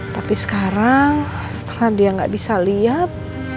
tapi sekarang setelah dia nggak bisa lihat